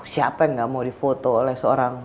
siapa yang gak mau difoto oleh seorang